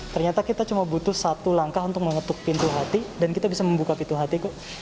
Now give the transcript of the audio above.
ternyata kita cuma butuh satu langkah untuk mengetuk pintu hati dan kita bisa membuka pintu hati kok